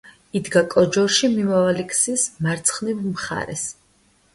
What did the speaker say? იდგა კოჯორში მიმავალი გზის მარცხნივ მხარეს.